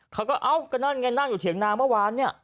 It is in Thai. เอ้าก็นั่นไงนั่งอยู่เถียงนาเมื่อวานเนี่ย